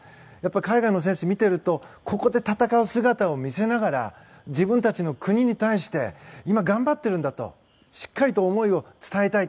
海外の選手を見ているとここで戦う姿を見せながら自分たちの国に対して今、頑張っているんだとしっかりと思いを伝えたい。